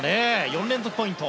４連続ポイント。